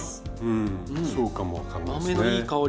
うんそうかも分かんないですね。